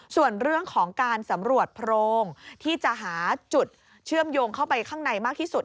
ส่วนเรื่องของการสำรวจโพรงที่จะหาจุดเชื่อมโยงเข้าไปข้างในมากที่สุด